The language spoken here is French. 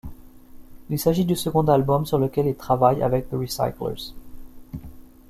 Il s'agit du second album sur lequel il travaille avec The Recyclers.